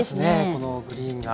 このグリーンが。